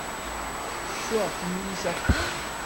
Tsuɛfem-iyi s axxam.